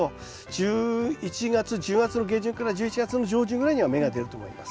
１０月の下旬から１１月の上旬ぐらいには芽が出ると思います。